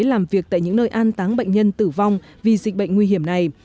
làm việc tại những nơi an táng bệnh nhân tử vong vì dịch bệnh nguy hiểm này